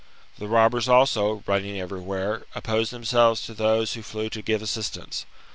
The robbers also, running everywhere, opposed themselves to those who flew to give assistance.